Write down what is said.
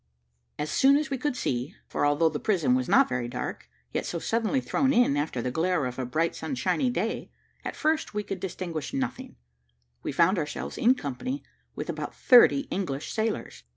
As soon as we could see for although the prison was not very dark, yet so suddenly thrown in, after the glare of a bright sunshiny day, at first we could distinguish nothing we found ourselves in company with about thirty English sailors.